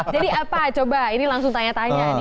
jadi apa coba ini langsung tanya tanya nih